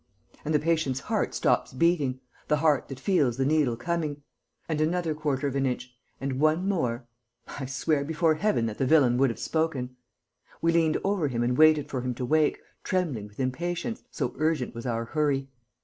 And the patient's heart stops beating, the heart that feels the needle coming.... And another quarter of an inch ... and one more.... I swear before Heaven that the villain would have spoken!... We leant over him and waited for him to wake, trembling with impatience, so urgent was our hurry....